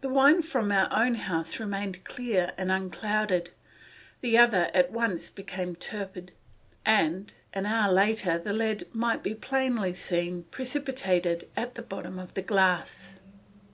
The wine from our own house remained clear and unclouded, the other at once became turbid, and an hour later the lead might be plainly seen, precipitated at the bottom of the glass.